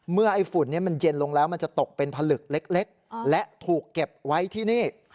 ไอ้ฝุ่นนี้มันเย็นลงแล้วมันจะตกเป็นผลึกเล็กและถูกเก็บไว้ที่นี่